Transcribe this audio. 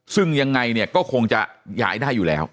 ซึ่งยังไงเนี่ยก็คงจะย้ายได้อยู่แล้ว